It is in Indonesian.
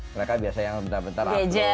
mereka biasa yang bentar bentar